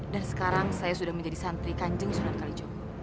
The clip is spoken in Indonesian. dan sekarang saya sudah menjadi santri kanjeng sunan kalijogo